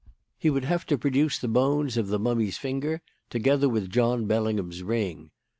"He would have to produce the bones of the mummy's finger, together with John Bellingham's ring.